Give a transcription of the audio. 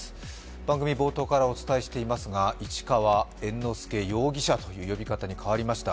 番組冒頭からお伝えしていますが市川猿之助容疑者という呼び方に変わりました。